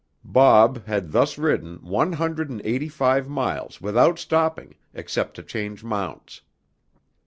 "Bob" had thus ridden one hundred and eighty five miles without stopping except to change mounts.